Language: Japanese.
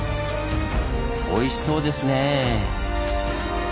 おいしそうですねぇ。